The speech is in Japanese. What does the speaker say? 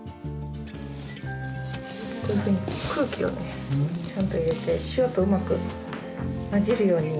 こういうふうに空気をねちゃんと入れて塩とうまく混じるように。